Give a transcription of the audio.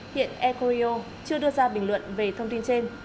hiện air koryo chưa đưa ra bình luận về thông tin trên